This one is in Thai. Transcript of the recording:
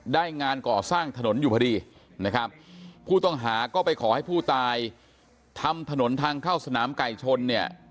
งานก่อสร้างถนนอยู่พอดีนะครับผู้ต้องหาก็ไปขอให้ผู้ตายทำถนนทางเข้าสนามไก่ชนเนี่ย